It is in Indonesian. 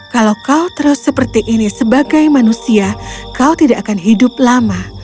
kalau kau terus seperti ini sebagai manusia kau tidak akan hidup lama